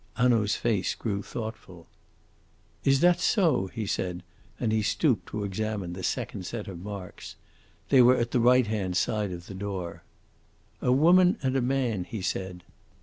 Hanaud's face grew thoughtful. "Is that so?" he said, and he stooped to examine the second set of marks. They were at the righthand side of the door. "A woman and a man," he said.